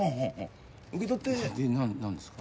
受け取ってで何ですか？